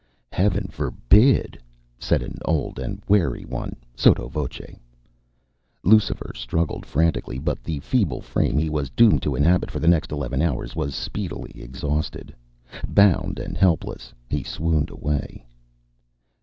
"Heaven forbid!" said an old and wary one, sotto voce. Lucifer struggled frantically, but the feeble frame he was doomed to inhabit for the next eleven hours was speedily exhausted. Bound and helpless, he swooned away.